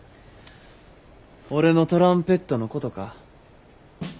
俺のトランペットのことか？